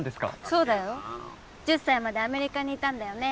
そうだよ１０歳までアメリカにいたんだよね